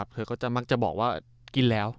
เธอก็จะบอกว่ากินแล้ว